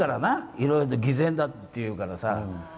いろいろ、偽善だっていうからさ。